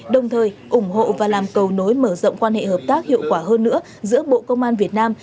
đồng thời ủng hộ và làm cầu nối mở rộng quan hệ hợp tác hiệu quả hơn nữa giữa bộ công an việt nam